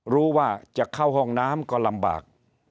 รู้ว่าจะเข้าห้องน้ำก็ลำบาก